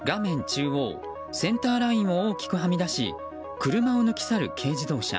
中央センターラインを大きくはみ出し車を抜き去る軽自動車。